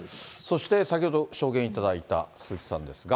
そして、先ほど証言いただいた鈴木さんですが。